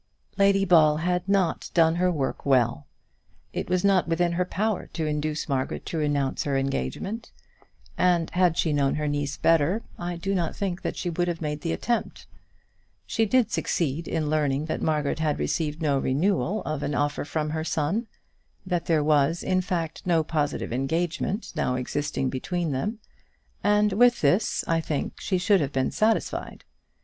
Lady Ball had not done her work well. It was not within her power to induce Margaret to renounce her engagement, and had she known her niece better, I do not think that she would have made the attempt. She did succeed in learning that Margaret had received no renewal of an offer from her son, that there was, in fact, no positive engagement now existing between them; and with this, I think, she should have been satisfied.